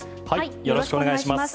よろしくお願いします。